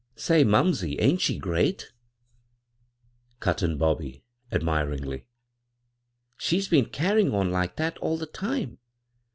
*"" Say, mumsey, ain't she great ?" cut in Bobby, admiringly, " She's beencairyin' on like that all the time.